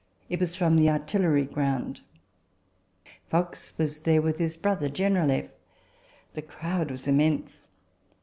It was from the Artillery Ground. Fox was there with his brother, General F. The crowd was immense.